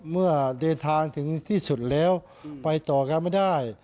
เมื่อเดินทางถึงที่สุดแล้วไปต่อกันไม่ได้